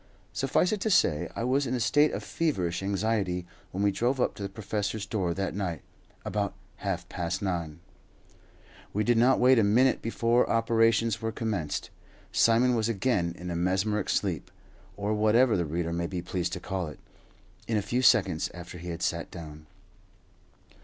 Suffice it to say I was in a state of feverish anxiety when we drove up to the professor's door that night, about half past nine. We did not wait a minute before operations were commenced. Simon was again in a mesmeric sleep, or whatever the reader may be pleased to call it, in a few seconds after he had sat down.